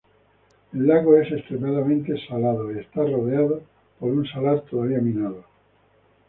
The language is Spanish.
El lago es extremadamente salado y está rodeado por un salar todavía minado.